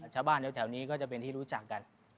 ชาวบ้านแถวนี้ก็จะเป็นที่รู้จักกัน